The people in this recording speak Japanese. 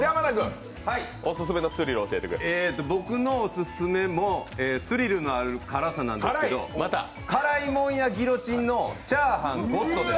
僕のオススメもスリルある辛さなんですけど辛いもんやギロチンの炒飯ゴッドです。